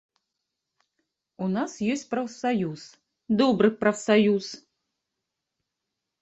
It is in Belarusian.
У нас ёсць прафсаюз, добры прафсаюз.